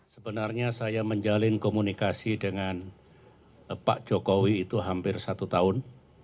sebenarnya saya menjalin komunikasi dengan pak jokowi itu hampir satu tahun